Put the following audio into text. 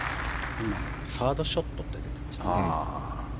サードショットって出ていましたね。